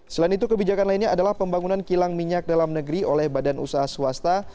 selain itu kebijakan lainnya adalah pembangunan kilang minyak dalam negeri oleh badan usaha swasta